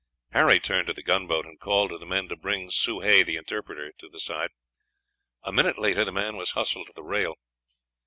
Harry turned to the gunboat, and called to the men to bring Soh Hay, the interpreter, to the side. A minute later the man was hustled to the rail.